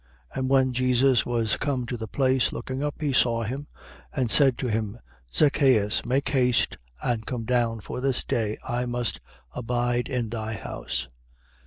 And when Jesus was come to the place, looking up, he saw him and said to him: Zacheus, make haste and come down: for this day I must abide in thy house.